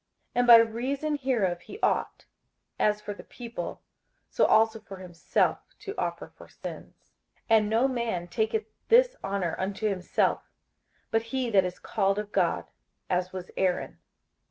58:005:003 And by reason hereof he ought, as for the people, so also for himself, to offer for sins. 58:005:004 And no man taketh this honour unto himself, but he that is called of God, as was Aaron.